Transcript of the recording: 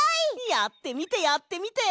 やってみてやってみて！